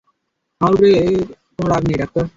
আপনার উপরে আমার রাগ নেই, ডাক্তার।